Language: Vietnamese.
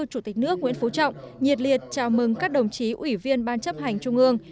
chủ tịch nước nguyễn phú trọng nhiệt liệt chào mừng các đồng chí ủy viên ban chấp hành trung ương